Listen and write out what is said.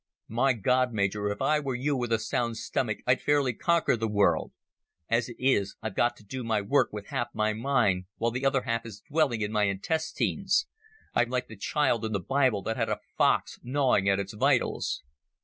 "My God, Major, if I were you with a sound stomach I'd fairly conquer the world. As it is, I've got to do my work with half my mind, while the other half is dwelling in my intestines. I'm like the child in the Bible that had a fox gnawing at its vitals."